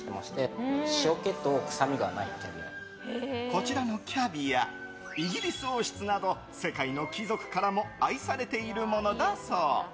こちらのキャビアイギリス王室など世界の貴族からも愛されているものだそう。